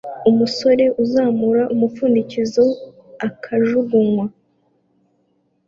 Umusore uzamura umupfundikizo akajugunywa